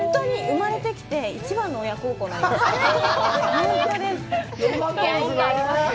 生まれてきて一番の親孝行になりました。